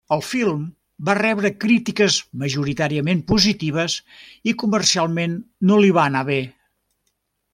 El film va rebre crítiques majoritàriament positives i comercialment no li va anar bé.